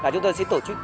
chúng tôi sẽ tổ chức